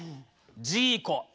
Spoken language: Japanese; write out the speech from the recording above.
ジーコ。